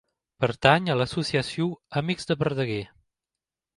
Pertany a l'associació Amics de Verdaguer.